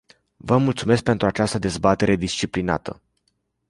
Vă mulțumesc pentru această dezbatere disciplinată.